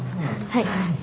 はい。